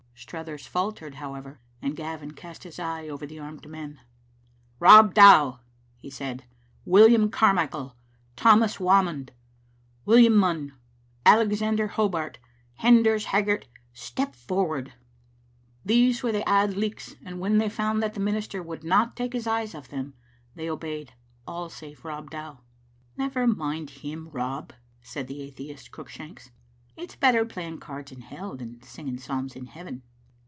Struthers faltered, however, and Gavin cast his eye over the armed men. "Rob Dow," he said, "William Carmichael, Thomas Whamond, William Munn, Alexander Hobart, Renders Haggart, step forward." These were Auld Lichts, and when they found that the minister would not take his eyes off them, they obeyed, all save Rob Dow. "Never mind him, Rob," said the atheist, Cruick shanks, " it's better playing cards in hell than singing psalms in heaven.